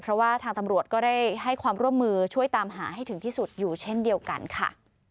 เพราะว่าทางตำรวจก็ได้ให้ความร่วมมือช่วยตามหาให้ถึงที่สุดอยู่เช่นเดียวกันค่ะ